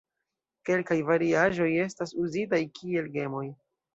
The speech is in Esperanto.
Kelkaj variaĵoj estas uzitaj kiel gemoj.